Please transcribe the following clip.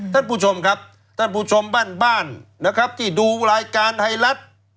ท่านผู้ชมครับท่านผู้ชมบ้านบ้านนะครับที่ดูรายการไทยรัฐ